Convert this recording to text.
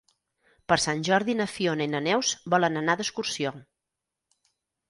Per Sant Jordi na Fiona i na Neus volen anar d'excursió.